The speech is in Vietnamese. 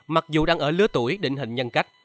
mặc dù đang ở lứa tuổi định hình nhân cách